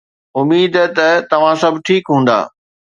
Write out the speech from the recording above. اميد ته توهان سڀ ٺيڪ هوندا.